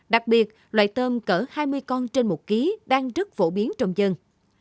đặc biệt loại tôm cỡ hai mươi con trên một kg đang rất phổ biến trong dân